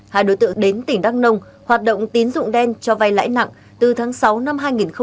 hai đối tượng đến tỉnh đắk nông hoạt động tín dụng đen cho vai lãi nặng từ tháng sáu năm hai nghìn hai mươi ba